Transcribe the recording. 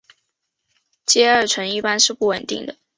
偕二醇一般是不稳定的。